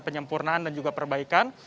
penyempurnaan dan juga perbaikan